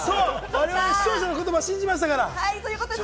我々、視聴者の言葉を信じましたから。